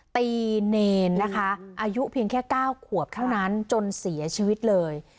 เนรนะคะอายุเพียงแค่๙ขวบเท่านั้นจนเสียชีวิตเลย